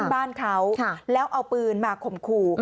เคิ่งบ้านเขาแล้วเอาปืนมาขมขู่